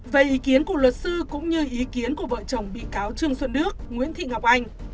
về ý kiến của luật sư cũng như ý kiến của vợ chồng bị cáo trương xuân đức nguyễn thị ngọc anh